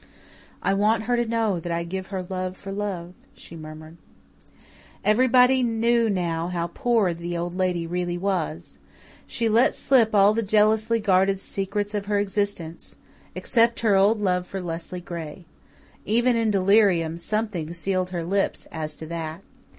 "I want her to know that I give her love for love," she murmured. Everybody knew now how poor the Old Lady really was. She let slip all the jealously guarded secrets of her existence, except her old love for Leslie Gray. Even in delirium something sealed her lips as to that.